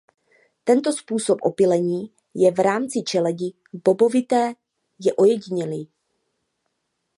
Tento způsob opylení je v rámci čeledi bobovité ojedinělý.